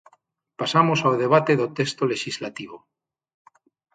Pasamos ao debate do texto lexislativo.